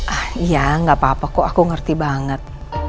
ah iya nggak apa apa kok aku ngerti banget